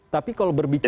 tapi kalau berbicara